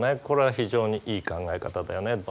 これは非常にいい考え方だよね。